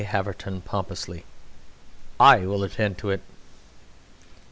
HAVERTON (pompously): I will attend to it.